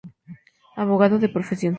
Abogado de profesión.